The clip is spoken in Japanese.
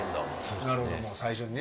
なるほどもう最初にね。